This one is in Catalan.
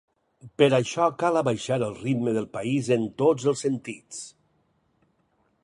Per això cal abaixar el ritme del país en tots els sentits.